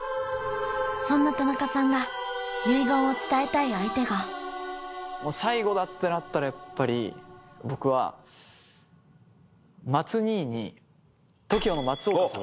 そんな田中さんが結言を伝えたい相手がやっぱり僕はＴＯＫＩＯの松岡さん